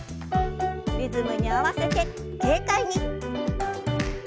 リズムに合わせて軽快に。